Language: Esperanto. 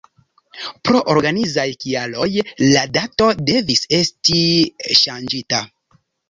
Pro organizaj kialoj la dato devis esti ŝanĝita!.